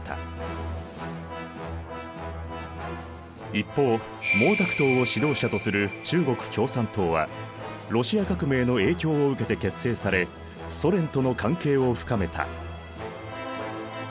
一方毛沢東を指導者とする中国共産党はロシア革命の影響を受けて結成されソ連との関係を深めた。